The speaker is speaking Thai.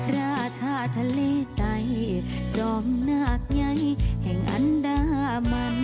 ราชาทะเลใสจอมนาคใหญ่แห่งอันดามัน